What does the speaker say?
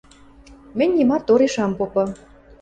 Мӹнь нимат тореш ам попы...